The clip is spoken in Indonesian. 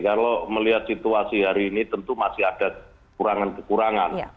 kalau melihat situasi hari ini tentu masih ada kekurangan kekurangan